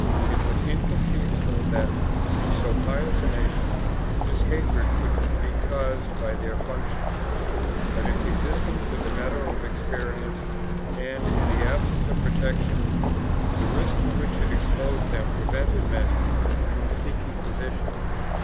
It was inconceivable that, in so pious a nation, this hatred could be caused by their functions, but its existence was a matter of experience and, in the absence of protection, the risks to which it exposed them prevented men from seeking the posi tion.